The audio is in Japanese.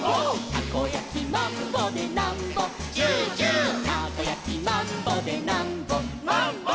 「たこやきマンボでなんぼチューチュー」「たこやきマンボでなんぼマンボ」